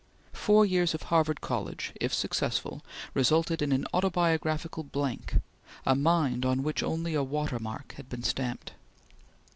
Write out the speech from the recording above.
Four years of Harvard College, if successful, resulted in an autobiographical blank, a mind on which only a water mark had been stamped.